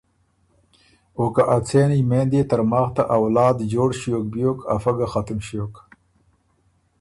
او که ا څېن یمېند يې ترماخ ته اولاد جوړ ݭیوک بیوک افۀ ګۀ ختُم ݭیوک۔